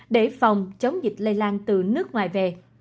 để phòng chống dịch lây lan từ nước ngoài về